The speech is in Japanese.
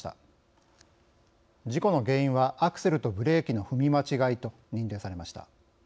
事故の原因はアクセルとブレーキの踏み間違いと認定されました。